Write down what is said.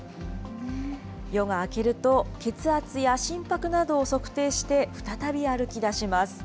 夜が明けると、血圧や心拍などを測定して、再び歩き出します。